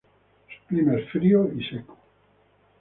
Su clima es frío y seco.